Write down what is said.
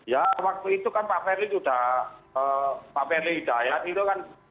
ya waktu itu kan pak ferli sudah pak ferli sudah ya itu kan